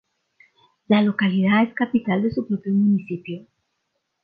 La localidad es capital de su propio municipio.